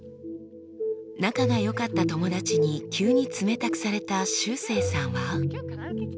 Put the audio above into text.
仲が良かった友達に急に冷たくされたしゅうせいさんは。